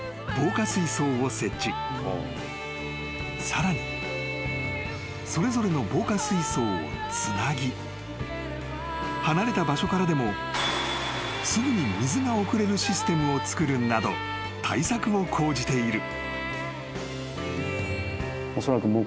［さらにそれぞれの防火水槽をつなぎ離れた場所からでもすぐに水が送れるシステムをつくるなど対策を講じている］